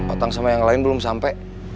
otang sama yang lain belum sampe